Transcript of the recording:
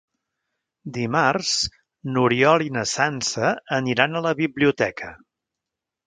Dimarts n'Oriol i na Sança aniran a la biblioteca.